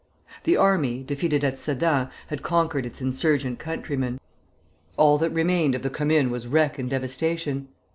The army, defeated at Sedan, had conquered its insurgent countrymen. All that remained of the Commune was wreck and devastation.